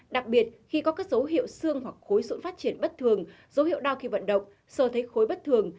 đặc biệt khi có các dấu hiệu xương hoặc khối sự phát triển bất thường dấu hiệu đau khi vận động sơ thấy khối bất thường